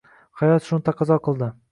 Hayot shuni taqozo qildi.